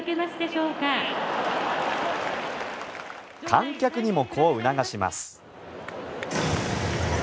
観客にもこう促します。